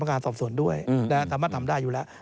การสอบส่วนด้วยสามารถทำได้อยู่แล้ว